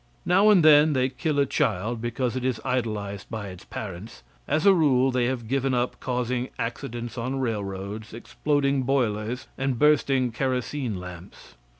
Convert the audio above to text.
Now and then they kill a child because it is idolized by its parents. As a rule they have given up causing accidents on railroads, exploding boilers, and bursting kerosene lamps.